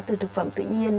từ thực phẩm tự nhiên